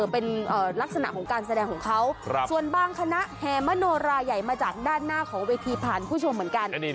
เป็นลักษณะของการแสดงของเขาส่วนบางคณะแห่มโนราใหญ่มาจากด้านหน้าของเวทีผ่านผู้ชมเหมือนกัน